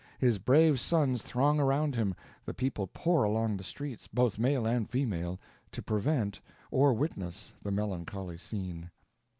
His brave sons throng around him. The people pour along the streets, both male and female, to prevent or witness the melancholy scene.